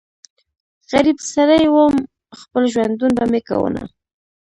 غريب سړی ووم خپل ژوندون به مې کوونه